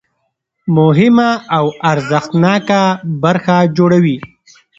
مهمه او ارزښتناکه برخه جوړوي.